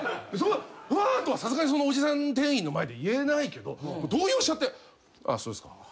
うわとはさすがにそのおじさん店員の前で言えないけど動揺しちゃってあっそうですか。